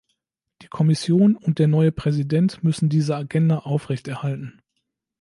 Die Kommission und der neue Präsident müssen diese Agenda aufrechterhalten.